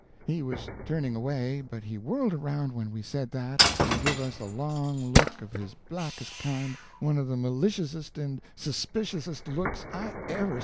He was turning away, but he whirled around when we said that, and give us a long look of his blackest kind—one of the maliciousest and suspiciousest looks I ever see.